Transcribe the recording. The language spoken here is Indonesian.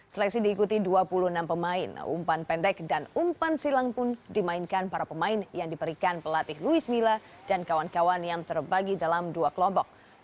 seleksi diikuti dua puluh enam pemain umpan pendek dan umpan silang pun dimainkan para pemain yang diberikan pelatih luis mila dan kawan kawan yang terbagi dalam dua kelompok